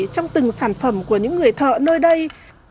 trong từng sản phẩm của những người thợ nơi đây